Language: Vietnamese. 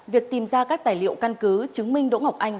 việc tìm ra các tài liệu căn cứ chứng minh đỗ ngọc anh